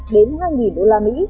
đến hai usd